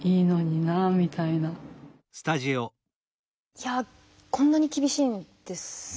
いやこんなに厳しいんですね。